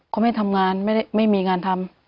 เขาไม่ทำงานไม่มีงานทำ